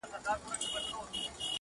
ستا دي تاج وي همېشه- لوړ دي نښان وي-